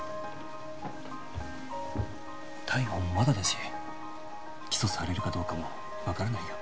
逮捕もまだだし起訴されるかどうかも分からないよ